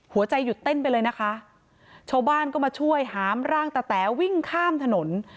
หัวใจหยุดเต้นไปเลยนะคะชาวบ้านก็มาช่วยหามร่างตะแต๋วิ่งข้ามถนน